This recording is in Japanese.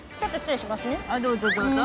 ・どうぞどうぞ。